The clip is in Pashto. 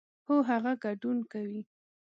هو، هغه ګډون کوي